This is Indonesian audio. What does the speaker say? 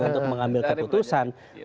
untuk mengambil keputusan